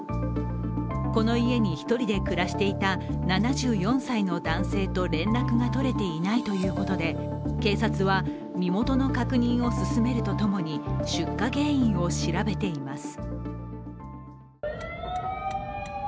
この家に１人で暮らしていた７４歳の男性と連絡が取れていないということで警察は身元の確認を進めると共に、出火原因を調べています。